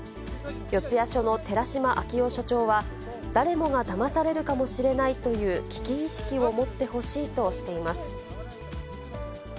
四谷署の寺島明雄署長は、誰もがだまされるかもしれないという危機意識を持ってほしいとしています。